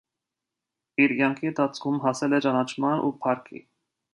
Իր կյանքի ընթացքում հասել է ճանաչման ու փառքի։